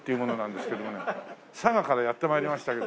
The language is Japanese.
佐賀からやって参りましたけど。